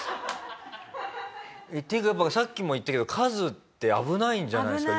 っていうかやっぱさっきも言ったけど数って危ないんじゃないですか？